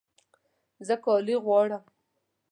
زه کالي غواړم